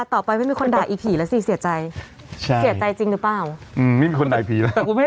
ต่อไปไม่มีคนด่ายพี่แล้วสิเศียร์ใจ